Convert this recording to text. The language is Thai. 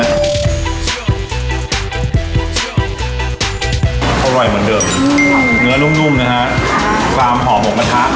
อร่อยเหมือนเดิมเนื้อนุ่มนุ่มนะฮะความหอมของกระทะ